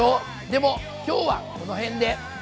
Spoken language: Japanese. でも今日はこの辺で。